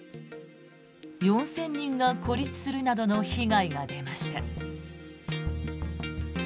４０００人が孤立するなどの被害が出ました。